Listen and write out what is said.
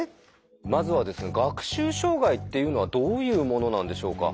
まずはですね学習障害っていうのはどういうものなんでしょうか？